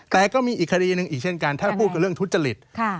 แต่ก็มีอีกคดีหนึ่งอีกเช่นกันถ้าพูดกับเรื่องทุจริต